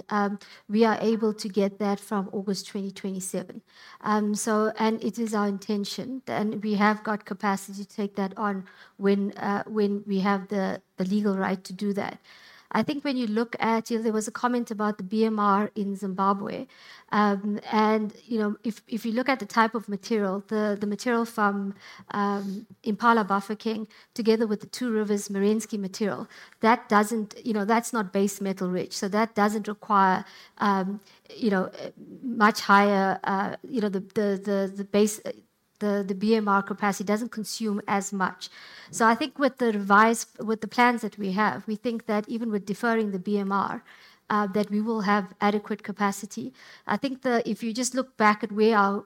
we are able to get that from August 2027. And it is our intention. And we have got capacity to take that on when we have the legal right to do that. I think when you look at, there was a comment about the BMR in Zimbabwe. And if you look at the type of material, the material from Impala Bafokeng, together with the Two Rivers Merensky material, that's not base metal-rich. So that doesn't require much higher the BMR capacity doesn't consume as much. So I think with the plans that we have, we think that even with deferring the BMR, that we will have adequate capacity. I think if you just look back at where our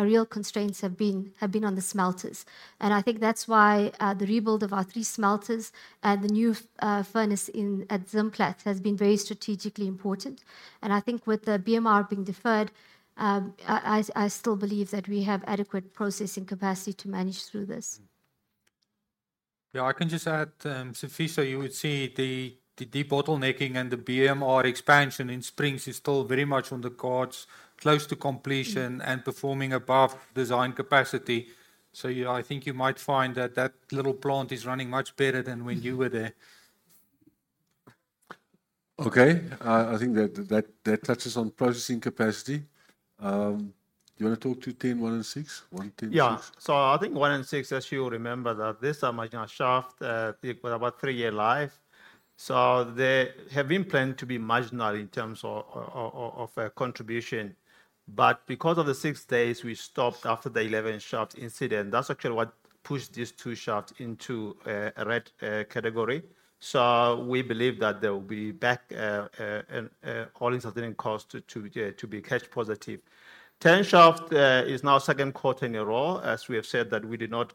real constraints have been on the smelters. I think that's why the rebuild of our three smelters and the new furnace at Zimplats has been very strategically important. I think with the BMR being deferred, I still believe that we have adequate processing capacity to manage through this. Yeah, I can just add, Sifiso, you would see the debottlenecking and the BMR expansion in Springs is still very much on the cards, close to completion and performing above design capacity. So I think you might find that that little plant is running much better than when you were there. Okay. I think that touches on processing capacity. Do you want to talk to 10, one, and six? One, 10, six? Yeah. So I think one and six, as you will remember, that these are marginal shafts with about three-year life. So they have been planned to be marginal in terms of contribution. But because of the six days, we stopped after the 11 shafts incident. That's actually what pushed these two shafts into a red category. So we believe that they will be back, all incident costs to be cash positive. 10 shaft is now second quarter in a row, as we have said that we did not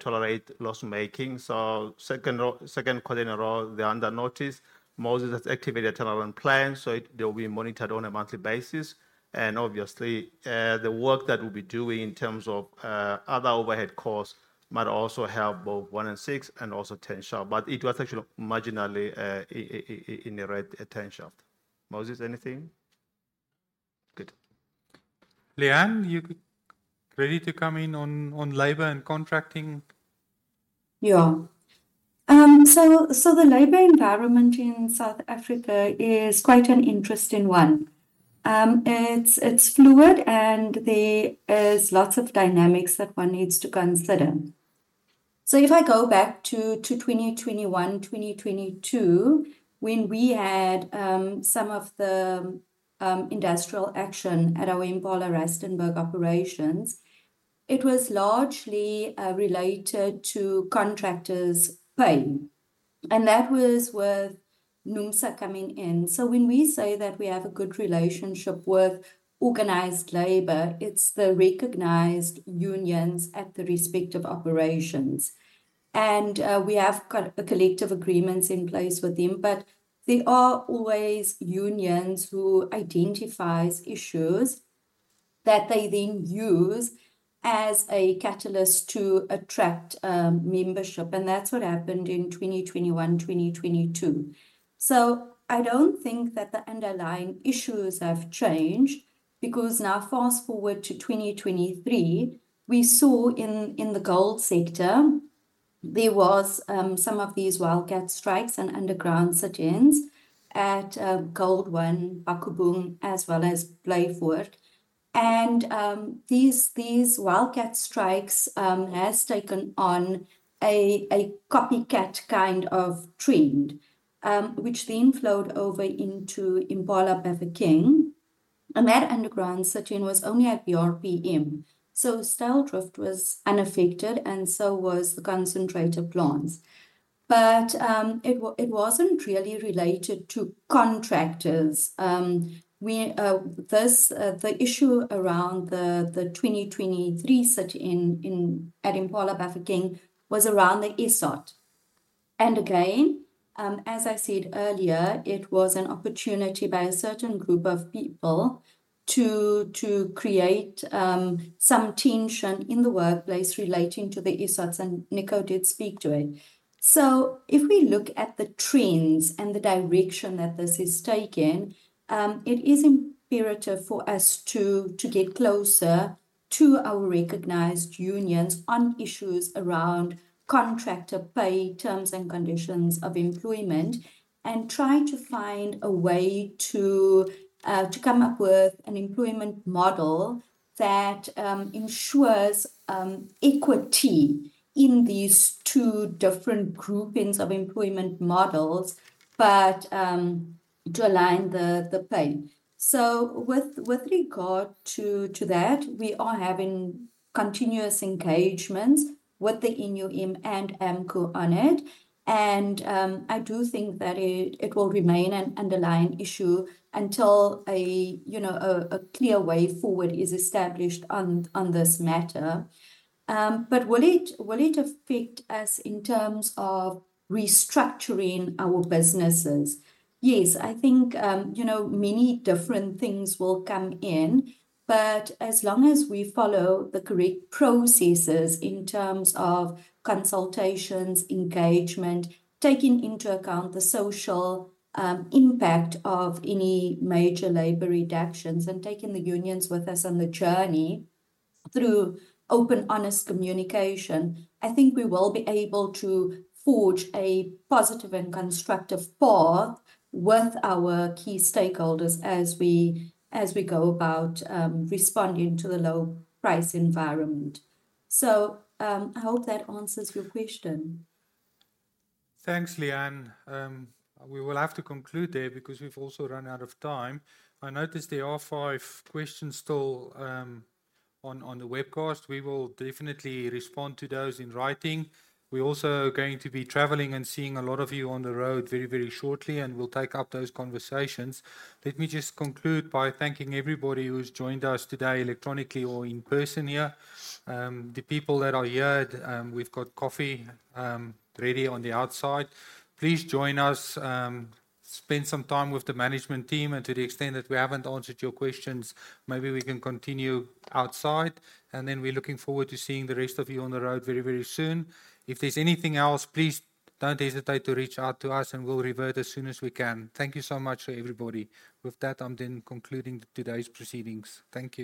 tolerate loss-making. So second quarter in a row, they're under notice. Moses has activated a turnaround plan, so they'll be monitored on a monthly basis. And obviously, the work that we'll be doing in terms of other overhead costs might also help both 1 and 6 and also 10 shaft. But it was actually marginally in the red at 10 shaft. Moses, anything? Good. Lee-Ann, you ready to come in on labor and contracting? Yeah. So the labor environment in South Africa is quite an interesting one. It's fluid, and there are lots of dynamics that one needs to consider. So if I go back to 2021, 2022, when we had some of the industrial action at our Impala Rustenburg operations, it was largely related to contractors' pay. And that was with NUMSA coming in. So when we say that we have a good relationship with organized labor, it's the recognized unions at the respective operations. And we have collective agreements in place with them. But there are always unions who identify issues that they then use as a catalyst to attract membership. And that's what happened in 2021, 2022. So I don't think that the underlying issues have changed because now, fast forward to 2023, we saw in the gold sector there were some of these wildcat strikes and underground settings at Gold One, Bakubung, as well as Blyvoor. These wildcat strikes have taken on a copycat kind of trend, which then flowed over into Impala Bafokeng, and that underground setting was only at BRPM. Styldrift was unaffected, and so was the concentrator plants. But it wasn't really related to contractors. The issue around the 2023 setting at Impala Bafokeng was around the ESOT. And again, as I said earlier, it was an opportunity by a certain group of people to create some tension in the workplace relating to the ESOTs, and Nico did speak to it. So if we look at the trends and the direction that this is taking, it is imperative for us to get closer to our recognized unions on issues around contractor pay, terms and conditions of employment, and try to find a way to come up with an employment model that ensures equity in these two different groupings of employment models, but to align the pay. So with regard to that, we are having continuous engagements with the NUM and AMCU on it. And I do think that it will remain an underlying issue until a clear way forward is established on this matter. But will it affect us in terms of restructuring our businesses? Yes, I think many different things will come in. As long as we follow the correct processes in terms of consultations, engagement, taking into account the social impact of any major labor reductions, and taking the unions with us on the journey through open, honest communication, I think we will be able to forge a positive and constructive path with our key stakeholders as we go about responding to the low-price environment. So I hope that answers your question. Thanks, Lee-Ann. We will have to conclude there because we've also run out of time. I noticed there are five questions still on the webcast. We will definitely respond to those in writing. We're also going to be traveling and seeing a lot of you on the road very, very shortly, and we'll take up those conversations. Let me just conclude by thanking everybody who's joined us today electronically or in person here. The people that are here, we've got coffee ready on the outside. Please join us, spend some time with the management team. To the extent that we haven't answered your questions, maybe we can continue outside. Then we're looking forward to seeing the rest of you on the road very, very soon. If there's anything else, please don't hesitate to reach out to us, and we'll revert as soon as we can. Thank you so much to everybody. With that, I'm then concluding today's proceedings. Thank you.